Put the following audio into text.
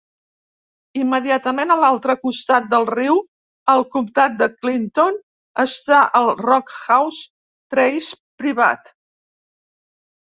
Immediatament a l'altre costat del riu al comtat de Clinton està el Rockhouse Trace privat.